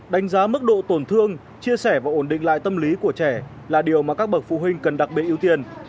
đánh giá mức độ tổn thương chia sẻ và ổn định lại tâm lý của trẻ là điều mà các bậc phụ huynh cần đặc biệt ưu tiên